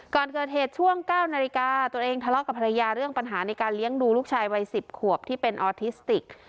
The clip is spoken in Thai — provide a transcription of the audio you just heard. ก่อนเกิดเหตุช่วง๙นาฬิกาตัวเองทะเลาะกับภรรยาเรื่องปัญหาในการเลี้ยงดูลูกชายวัย๑๐ขวบที่เป็นออทิสติก